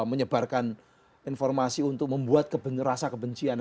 menyebarkan informasi untuk membuat rasa kebencian